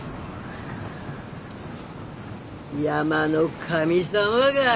山の神様がぁ！